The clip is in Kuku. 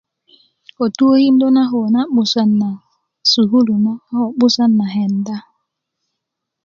ko tukindö na koo na 'busan na sukulu na a ko 'busan na kenda